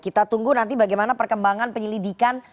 kita tunggu nanti bagaimana perkembangan penyelidikan